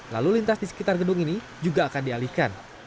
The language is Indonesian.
lalu lintas di sekitar gedung ini juga akan dialihkan